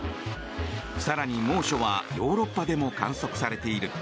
更に、猛暑はヨーロッパでも観測されている。